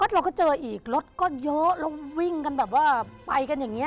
เราก็เจออีกรถก็เยอะแล้ววิ่งกันแบบว่าไปกันอย่างนี้